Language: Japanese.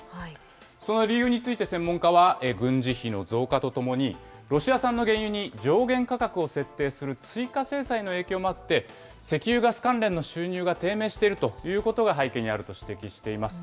その理由について、専門家は、軍事費の増加とともに、ロシア産の原油に上限価格を設定する追加制裁の影響もあって、石油・ガス関連の収入が低迷しているということが背景にあると指摘しています。